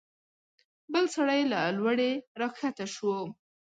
بل سړی له لوړې راکښته شو.